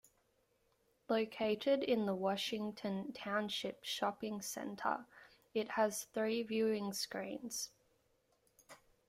Located in the Washington Township Shopping Center, it has three viewing screens.